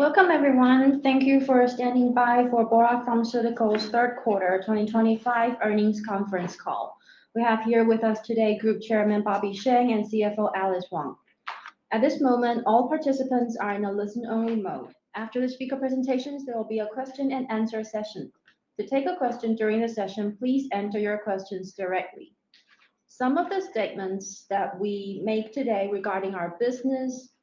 Welcome, everyone. Thank you for standing by for Bora Pharmaceuticals' Third Quarter 2025 earnings conference call. We have here with us today Group Chairman Bobby Sheng and CFO Alice Wang. At this moment, all participants are in a listen-only mode. After the speaker presentations, there will be a question-and-answer session. To take a question during the session, please enter your questions directly. Some of the statements that we make today regarding our business,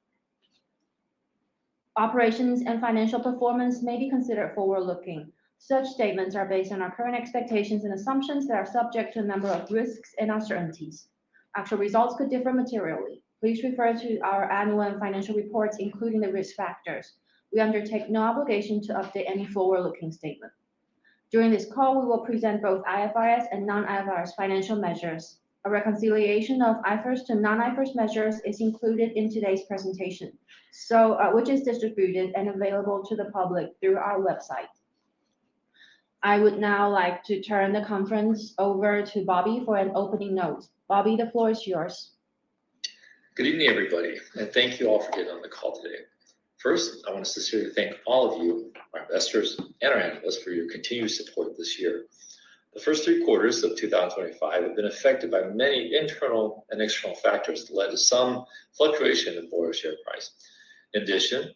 operations, and financial performance may be considered forward-looking. Such statements are based on our current expectations and assumptions that are subject to a number of risks and uncertainties. Actual results could differ materially. Please refer to our annual and financial reports, including the risk factors. We undertake no obligation to update any forward-looking statement. During this call, we will present both IFRS and non-IFRS financial measures. A reconciliation of IFRS to non-IFRS measures is included in today's presentation, which is distributed and available to the public through our website. I would now like to turn the conference over to Bobby for an opening note. Bobby, the floor is yours. Good evening, everybody, and thank you all for getting on the call today. First, I want to sincerely thank all of you, our investors and our analysts, for your continued support this year. The first three quarters of 2025 have been affected by many internal and external factors that led to some fluctuation in Bora's share price. In addition,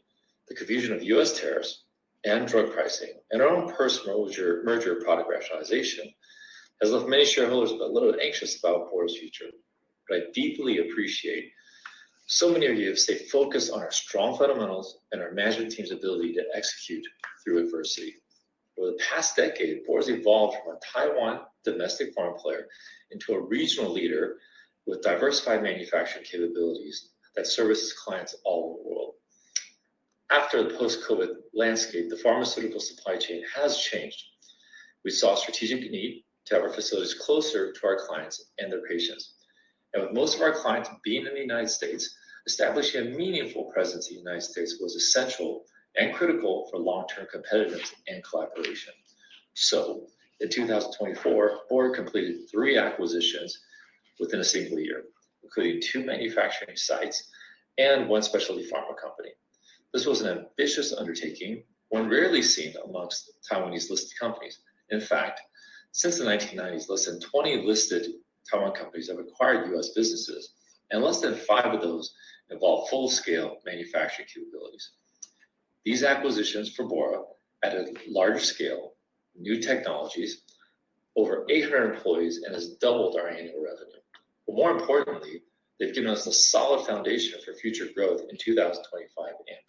the confusion of U.S. tariffs and drug pricing, and our own personal merger product rationalization, has left many shareholders a little anxious about Bora's future. I deeply appreciate so many of you have stayed focused on our strong fundamentals and our management team's ability to execute through adversity. Over the past decade, Bora has evolved from a Taiwan domestic pharma player into a regional leader with diversified manufacturing capabilities that service clients all over the world. After the post-COVID landscape, the pharmaceutical supply chain has changed. We saw a strategic need to have our facilities closer to our clients and their patients. With most of our clients being in the U.S., establishing a meaningful presence in the U.S. was essential and critical for long-term competitiveness and collaboration. In 2024, Bora completed three acquisitions within a single year, including two manufacturing sites and one specialty pharma company. This was an ambitious undertaking, one rarely seen amongst Taiwanese listed companies. In fact, since the 1990s, fewer than 20 listed Taiwan companies have acquired U.S. businesses, and fewer than five of those involve full-scale manufacturing capabilities. These acquisitions for Bora added large-scale new technologies, over 800 employees, and have doubled our annual revenue. More importantly, they have given us a solid foundation for future growth in 2025 and beyond.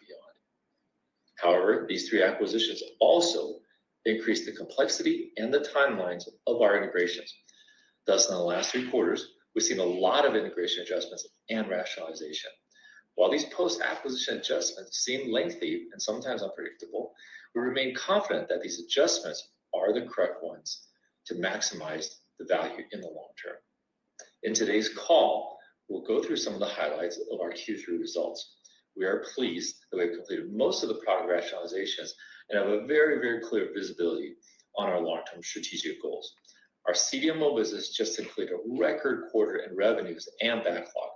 However, these three acquisitions also increased the complexity and the timelines of our integrations. Thus, in the last three quarters, we've seen a lot of integration adjustments and rationalization. While these post-acquisition adjustments seem lengthy and sometimes unpredictable, we remain confident that these adjustments are the correct ones to maximize the value in the long term. In today's call, we'll go through some of the highlights of our Q3 results. We are pleased that we have completed most of the product rationalizations and have a very, very clear visibility on our long-term strategic goals. Our CDMO usiness just completed a record quarter in revenues and backlog.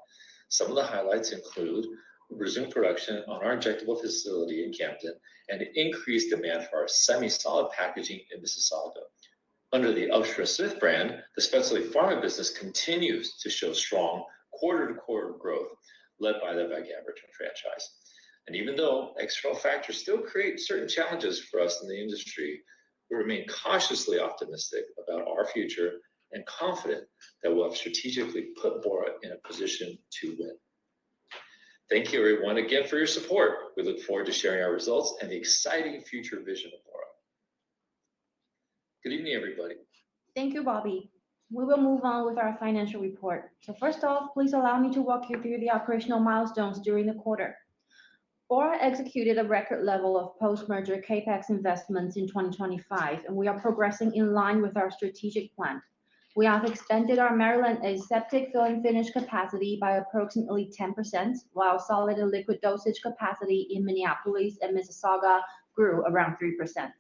Some of the highlights include resumed production on our injectable facility in Camden and increased demand for our semi-solid packaging in Mississauga. Under the Upsher-Smith brand, the specialty pharma business continues to show strong quarter-to-quarter growth led by the Vigabatrin franchise. Even though external factors still create certain challenges for us in the industry, we remain cautiously optimistic about our future and confident that we have strategically put Bora in a position to win. Thank you, everyone, again for your support. We look forward to sharing our results and the exciting future vision of Bora. Good evening, everybody. Thank you, Bobby. We will move on with our financial report. First off, please allow me to walk you through the operational milestones during the quarter. Bora executed a record level of post-merger CAPEX investments in 2025, and we are progressing in line with our strategic plan. We have expanded our Maryland aseptic fill and finish capacity by approximately 10%, while solid and liquid dosage capacity in Minneapolis and Mississauga grew around 3%.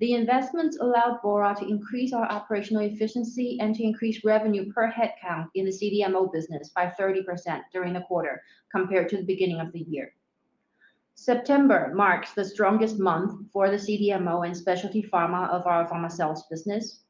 The investments allowed Bora to increase our operational efficiency and to increase revenue per head count in the CDMO business by 30% during the quarter compared to the beginning of the year. September marks the strongest month for the CDMO and specialty pharma of our pharma sales business.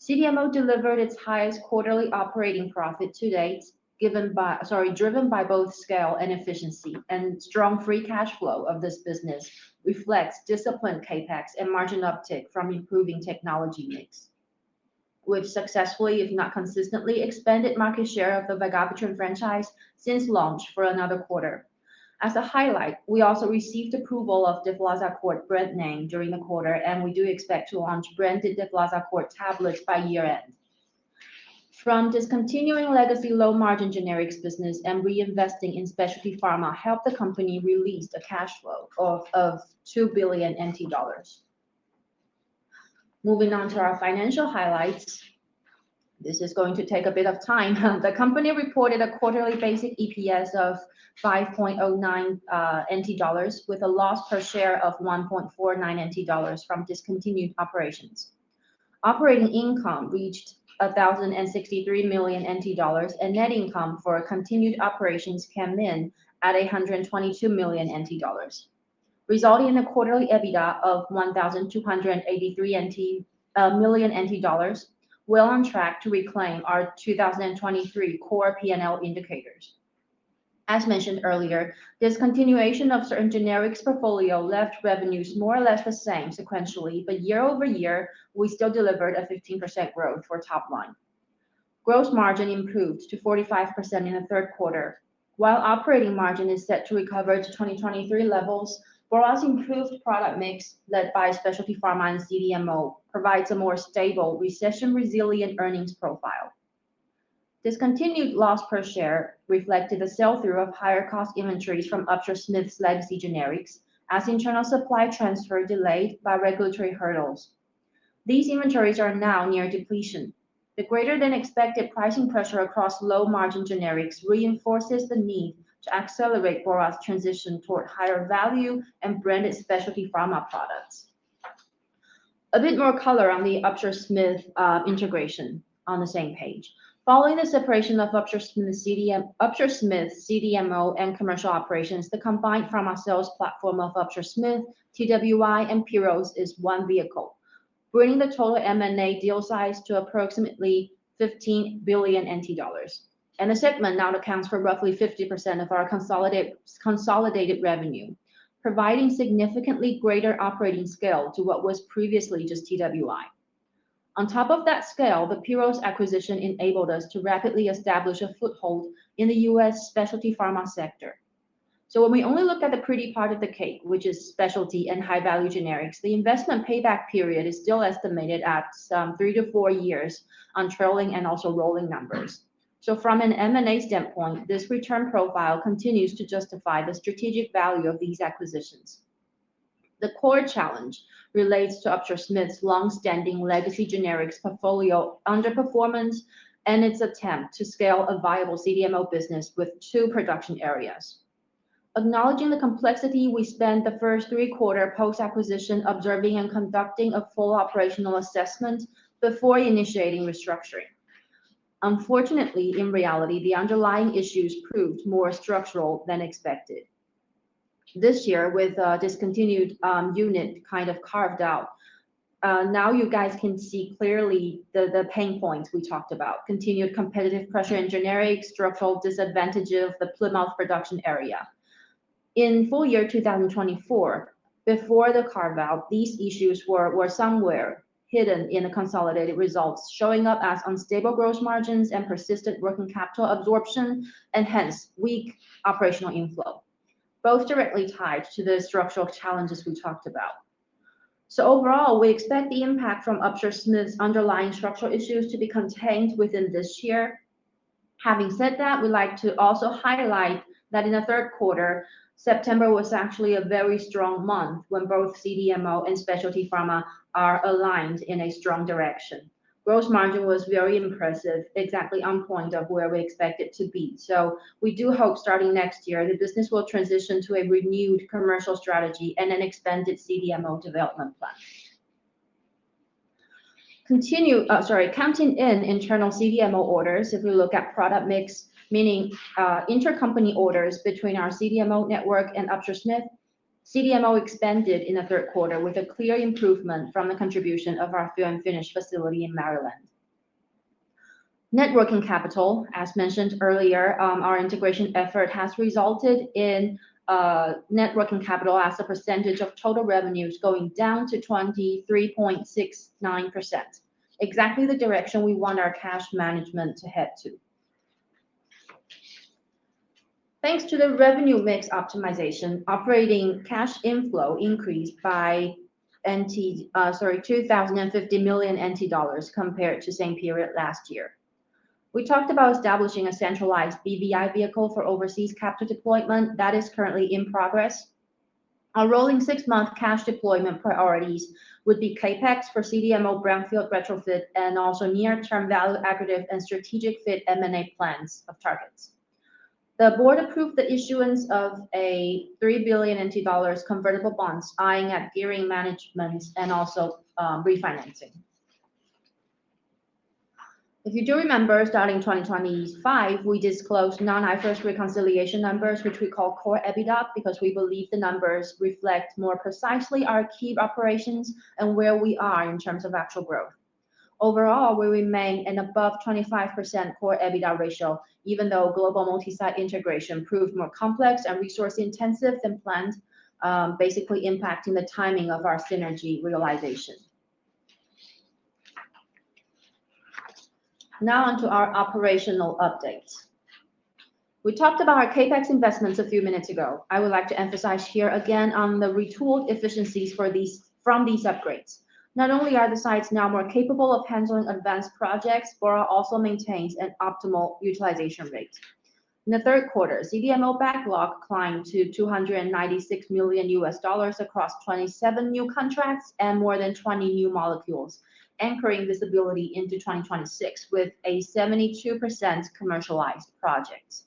CDMO delivered its highest quarterly operating profit to date, driven by both scale and efficiency, and strong free cash flow of this business reflects disciplined CAPEX and margin uptake from improving technology mix, which successfully, if not consistently, expanded market share of the Vigabatrin franchise since launch for another quarter. As a highlight, we also received approval of Deflazacort brand name during the quarter, and we do expect to launch branded Deflazacort tablets by year-end. From discontinuing legacy low-margin generics business and reinvesting in specialty pharma, the company released a cash flow of 2 billion NT dollars. Moving on to our financial highlights. This is going to take a bit of time. The company reported a quarterly basic EPS of 5.09 NT dollars, with a loss per share of 1.49 NT dollars from discontinued operations. Operating income reached 1,063 million NT dollars, and net income for continued operations came in at 122 million NT dollars, resulting in a quarterly EBITDA of 1,283 million NT dollars, well on track to reclaim our 2023 core P&L indicators. As mentioned earlier, discontinuation of certain generics portfolio left revenues more or less the same sequentially, but year over year, we still delivered a 15% growth for top line. Gross margin improved to 45% in the third quarter. While operating margin is set to recover to 2023 levels, Bora's improved product mix led by specialty pharma and CDMO provides a more stable, recession-resilient earnings profile. Discontinued loss per share reflected the sell-through of higher-cost inventories from Upsher-Smith's legacy generics, as internal supply transfer delayed by regulatory hurdles. These inventories are now near depletion. The greater-than-expected pricing pressure across low-margin generics reinforces the need to accelerate Bora's transition toward higher value and branded specialty pharma products. A bit more color on the Upsher-Smith integration on the same page. Following the separation of Upsher-Smith's CDMO and commercial operations, the combined pharma sales platform of Upsher-Smith, TWY, and Pyros is one vehicle, bringing the total M&A deal size to approximately 15 billion NT dollars. The segment now accounts for roughly 50% of our consolidated revenue, providing significantly greater operating scale to what was previously just TWY. On top of that scale, the Pyros acquisition enabled us to rapidly establish a foothold in the U.S. specialty pharma sector. When we only look at the pretty part of the cake, which is specialty and high-value generics, the investment payback period is still estimated at some three to four years on trailing and also rolling numbers. From an M&A standpoint, this return profile continues to justify the strategic value of these acquisitions. The core challenge relates to Upsher-Smith's long-standing legacy generics portfolio underperformance and its attempt to scale a viable CDMO business with two production areas. Acknowledging the complexity, we spent the first three quarters post-acquisition observing and conducting a full operational assessment before initiating restructuring. Unfortunately, in reality, the underlying issues proved more structural than expected. This year, with a discontinued unit kind of carved out, now you guys can see clearly the pain points we talked about: continued competitive pressure in generics, structural disadvantage of the Plymouth production area. In full year 2024, before the carve-out, these issues were somewhere hidden in the consolidated results, showing up as unstable gross margins and persistent working capital absorption, and hence, weak operational inflow, both directly tied to the structural challenges we talked about. Overall, we expect the impact from Upsher-Smith's underlying structural issues to be contained within this year. Having said that, we'd like to also highlight that in the third quarter, September was actually a very strong month when both CDMO and specialty pharma are aligned in a strong direction. Gross margin was very impressive, exactly on point of where we expect it to be. We do hope starting next year, the business will transition to a renewed commercial strategy and an expanded CDMO development plan. Continuing—sorry—counting in internal CDMO orders, if we look at product mix, meaning intercompany orders between our CDMO network and Upsher-Smith, CDMO expanded in the third quarter with a clear improvement from the contribution of our fill and finish facility in Maryland. Net working capital, as mentioned earlier, our integration effort has resulted in net working capital as a percentage of total revenues going down to 23.69%, exactly the direction we want our cash management to head to. Thanks to the revenue mix optimization, operating cash inflow increased by—sorry—TWD 2,050 million compared to the same period last year. We talked about establishing a centralized BVI vehicle for overseas capital deployment that is currently in progress. Our rolling six-month cash deployment priorities would be CapEx for CDMO brownfield retrofit and also near-term value-aggregative and strategic fit M&A plans of targets. The board approved the issuance of a NT$3 billion convertible bonds eyeing at gearing management and also refinancing. If you do remember, starting 2025, we disclosed non-IFRS reconciliation numbers, which we call core EBITDA because we believe the numbers reflect more precisely our key operations and where we are in terms of actual growth. Overall, we remain an above 25% core EBITDA ratio, even though global multi-site integration proved more complex and resource-intensive than planned, basically impacting the timing of our synergy realization. Now on to our operational updates. We talked about our CapEx investments a few minutes ago. I would like to emphasize here again on the retooled efficiencies from these upgrades. Not only are the sites now more capable of handling advanced projects, Bora also maintains an optimal utilization rate. In the third quarter, CDMO backlog climbed to $296 million U.S. dollars across 27 new contracts and more than 20 new molecules, anchoring this ability into 2026 with a 72% commercialized project.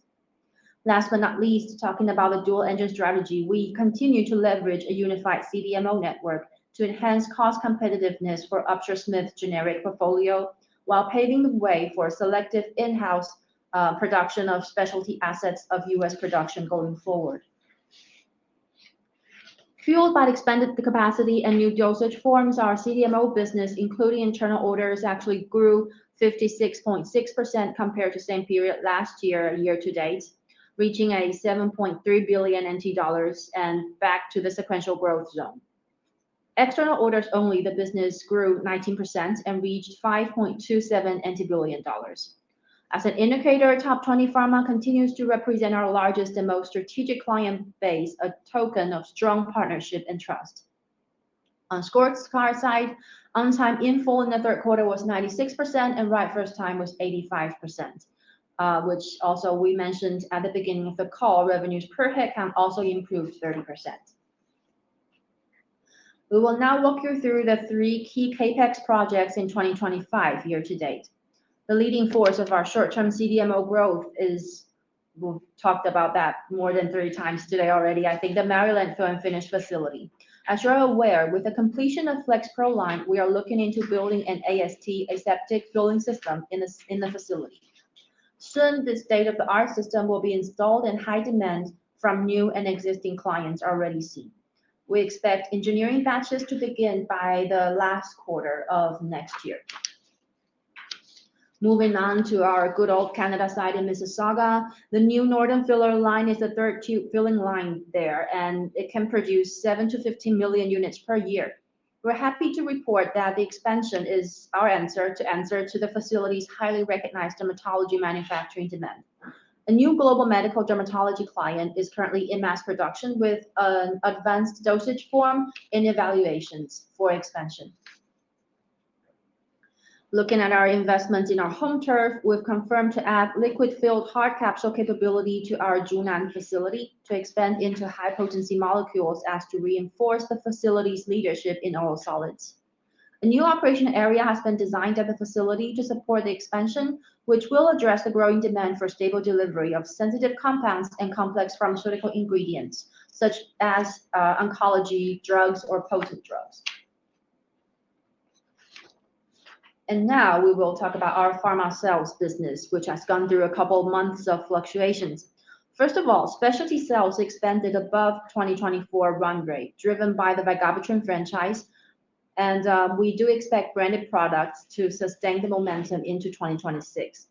Last but not least, talking about the dual-engine strategy, we continue to leverage a unified CDMO network to enhance cost competitiveness for Upsher-Smith's generic portfolio while paving the way for selective in-house production of specialty assets of U.S. production going forward. Fueled by expanded capacity and new dosage forms, our CDMO business, including internal orders, actually grew 56.6% compared to the same period last year year-to-date, reaching 7.3 billion NT dollars and back to the sequential growth zone. External orders only, the business grew 19% and reached 5.27 billion dollars. As an indicator, Top 20 Pharma continues to represent our largest and most strategic client base, a token of strong partnership and trust. On the scorecard side, on-time inflow in the third quarter was 96%, and right first time was 85%, which also we mentioned at the beginning of the call. Revenues per head count also improved 30%. We will now walk you through the three key CAPEX projects in 2025 year-to-date. The leading force of our short-term CDMO growth is—we've talked about that more than three times today already, I think—the Maryland fill and finish facility. As you're aware, with the completion of FlexPro line, we are looking into building an AST aseptic filling system in the facility. Soon, this state-of-the-art system will be installed and high demand from new and existing clients already seen. We expect engineering batches to begin by the last quarter of next year. Moving on to our good old Canada side in Mississauga, the new Northern Filler line is the third filling line there, and it can produce 7-15 million units per year. We're happy to report that the expansion is our answer to the facility's highly recognized dermatology manufacturing demand. A new global medical dermatology client is currently in mass production with an advanced dosage form in evaluations for expansion. Looking at our investments in our home turf, we've confirmed to add liquid-filled hard capsule capability to our Junean facility to expand into high-potency molecules as to reinforce the facility's leadership in oral solids. A new operation area has been designed at the facility to support the expansion, which will address the growing demand for stable delivery of sensitive compounds and complex pharmaceutical ingredients such as oncology drugs or potent drugs. Now we will talk about our pharma sales business, which has gone through a couple of months of fluctuations. First of all, specialty sales expanded above 2024 run rate, driven by the Vigabatrin franchise, and we do expect branded products to sustain the momentum into 2026.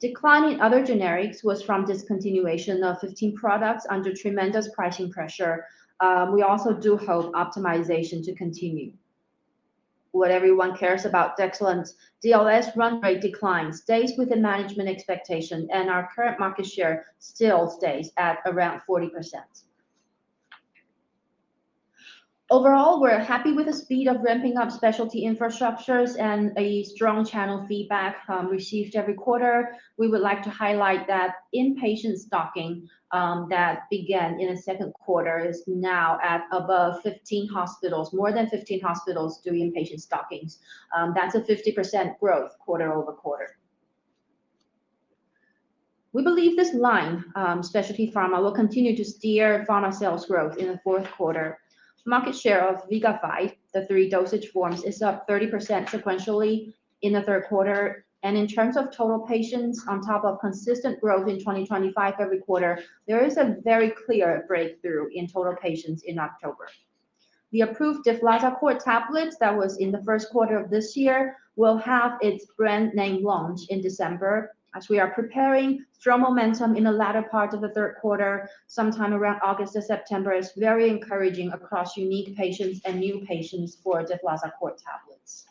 Declining other generics was from discontinuation of 15 products under tremendous pricing pressure. We also do hope optimization to continue. What everyone cares about, Exelon's DLS run rate declines, stays within management expectations, and our current market share still stays at around 40%. Overall, we're happy with the speed of ramping up specialty infrastructures and a strong channel feedback received every quarter. We would like to highlight that inpatient stocking that began in the second quarter is now at above 15 hospitals, more than 15 hospitals doing inpatient stockings. That's a 50% growth quarter over quarter. We believe this line specialty pharma will continue to steer pharma sales growth in the fourth quarter. Market share of VIGAFYDE the three dosage forms, is up 30% sequentially in the third quarter. In terms of total patients, on top of consistent growth in 2025 every quarter, there is a very clear breakthrough in total patients in October. The approved Deflazacort tablets that was in the first quarter of this year will have its brand name launch in December. As we are preparing strong momentum in the latter part of the third quarter, sometime around August to September, it is very encouraging across unique patients and new patients for Deflazacort tablets.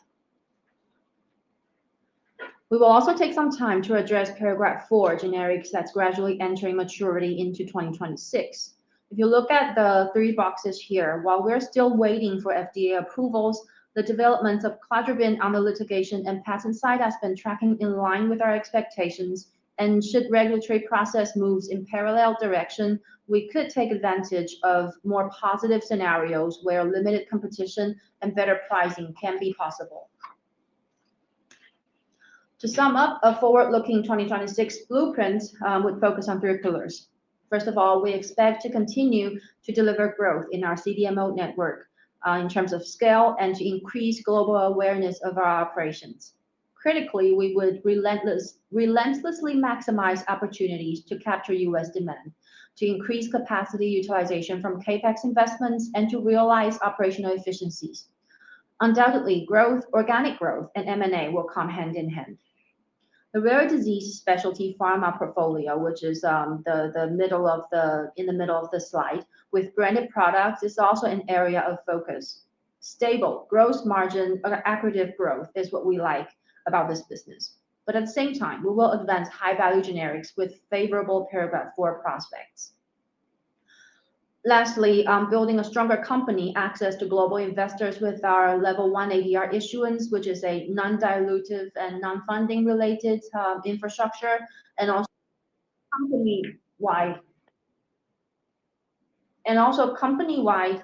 We will also take some time to address paragraph IV generics that is gradually entering maturity into 2026. If you look at the three boxes here, while we're still waiting for FDA approvals, the developments of Cladribine, Aml litigation, and PatentSite have been tracking in line with our expectations. If the regulatory process moves in a parallel direction, we could take advantage of more positive scenarios where limited competition and better pricing can be possible. To sum up a forward-looking 2026 blueprint, we'd focus on three pillars. First of all, we expect to continue to deliver growth in our CDMO network in terms of scale and to increase global awareness of our operations. Critically, we would relentlessly maximize opportunities to capture U.S. demand, to increase capacity utilization from CapEx investments, and to realize operational efficiencies. Undoubtedly, growth, organic growth, and M&A will come hand in hand. The rare disease specialty pharma portfolio, which is in the middle of the slide with branded products, is also an area of focus. Stable gross margin aggregative growth is what we like about this business. At the same time, we will advance high-value generics with favorable paragraph IV prospects. Lastly, building a stronger company access to global investors with our level one ADR issuance, which is a non-dilutive and non-funding-related infrastructure. Also, company-wide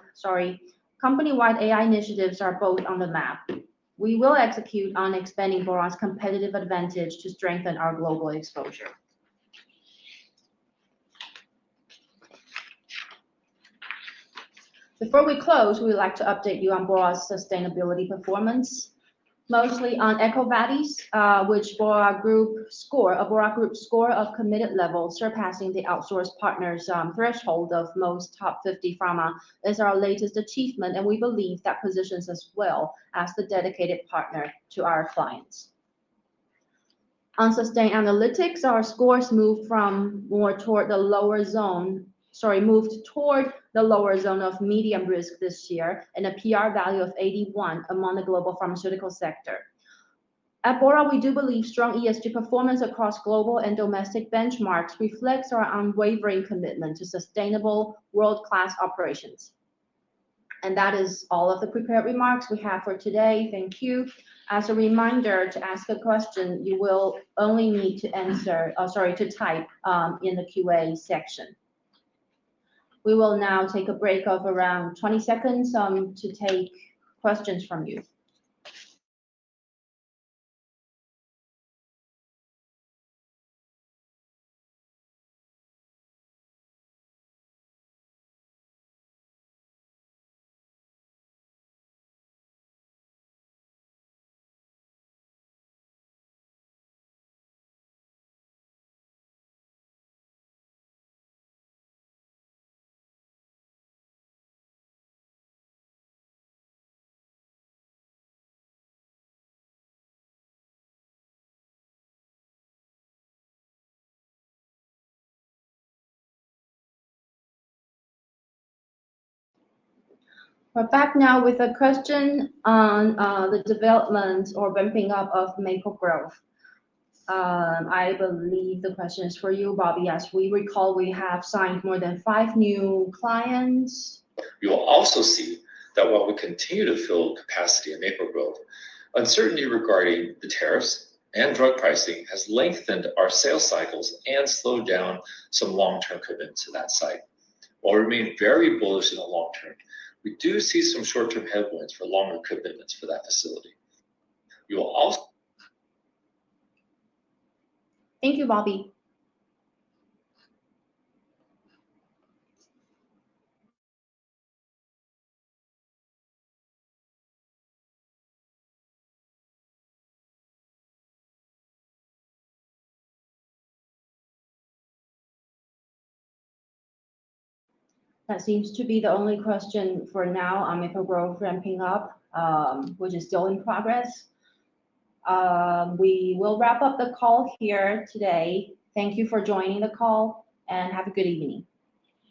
AI initiatives are both on the map. We will execute on expanding Bora's competitive advantage to strengthen our global exposure. Before we close, we'd like to update you on Bora's sustainability performance. Mostly on EcoVadis, with Bora Group score of committed level surpassing the outsourced partner's threshold of most top 50 pharma is our latest achievement, and we believe that positions us well as the dedicated partner to our clients. On sustained analytics, our scores moved toward the lower zone of medium risk this year and a PR value of 81 among the global pharmaceutical sector. At Bora, we do believe strong ESG performance across global and domestic benchmarks reflects our unwavering commitment to sustainable world-class operations. That is all of the prepared remarks we have for today. Thank you. As a reminder, to ask a question, you will only need to type in the Q&A section. We will now take a break of around 20 seconds to take questions from you. We're back now with a question on the development or ramping up of Maple Growth. I believe the question is for you, Bobby, as we recall we have signed more than five new clients. You will also see that while we continue to fill capacity at Maple Growth, uncertainty regarding the tariffs and drug pricing has lengthened our sales cycles and slowed down some long-term commitments to that site. While we remain very bullish in the long term, we do see some short-term headwinds for longer commitments for that facility. You will also— thank you, Bobby. That seems to be the only question for now on Maple Growth ramping up, which is still in progress. We will wrap up the call here today. Thank you for joining the call, and have a good evening.